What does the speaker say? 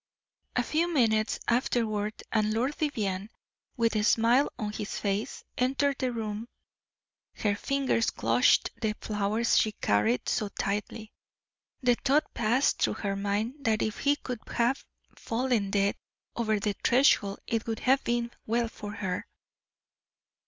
A few minutes afterward and Lord Vivianne, with a smile on his face, entered the room. Her fingers clutched the flowers she carried so tightly; the thought passed through her mind that if he could but have fallen dead over the threshold it would have been well for her.